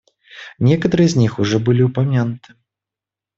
Некоторые из них уже были упомянуты.